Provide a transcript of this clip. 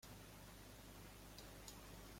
Ari es judío y tiene un hermano, Howard.